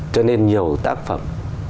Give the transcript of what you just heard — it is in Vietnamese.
cho nên nhiều tác phẩm